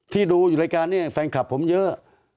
ดูอยู่รายการนี้แฟนคลับผมเยอะ